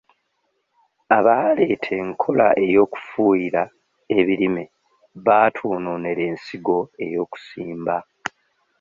Abaaleeta enkola ey'okufuuyira ebirime baatwonoonera ensigo ey'okusimba.